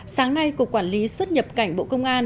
sáng nay cục quản lý xuất nhập cảnh bộ công an